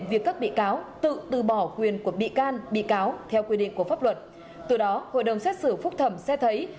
việc các bị cáo tự từ bỏ quyền của bị can bị cáo theo quy định của pháp luật từ đó hội đồng xét xử phúc thẩm xét thấy